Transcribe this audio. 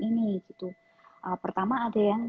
ini pertama ada yang